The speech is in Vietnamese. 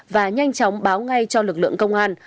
và nhanh chóng báo ngay cho lực lượng công an